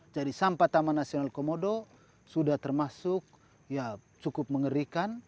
jadi sampah taman nasional komodo sudah termasuk cukup mengerikan